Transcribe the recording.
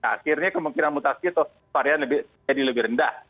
akhirnya kemungkinan mutasi atau varian jadi lebih rendah